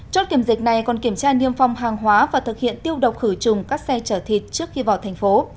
chốt kiểm dịch này còn kiểm tra niêm phong hàng hóa và thực hiện tiêu độc khử trùng các xe chở thịt trước khi vào thành phố